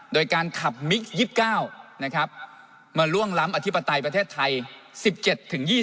โดยการขับมิก๒๙มาล่วงล้ำอธิปไตยประเทศไทย